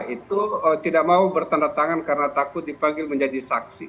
itu tidak mau bertanda tangan karena takut dipanggil menjadi saksi